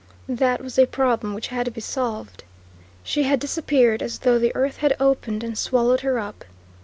That was a problem which had to be solved. She had disappeared as though the earth had opened and swallowed her up.